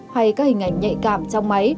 hay các hình ảnh nhạy cảm trong máy